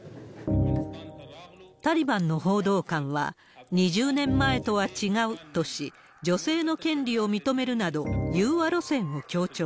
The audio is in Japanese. タリバンの報道官は２０年前とは違うとし、女性の権利を認めるなど、融和路線を強調。